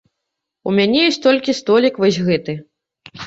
У мяне ёсць толькі столік вось гэты.